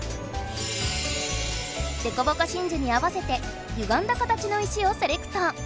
デコボコ真珠に合わせてゆがんだ形の石をセレクト。